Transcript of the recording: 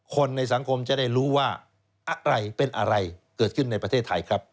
คนในสังคมจะได้รู้ว่าอะไรเป็นอะไรเกิดขึ้นในประเทศไทยครับ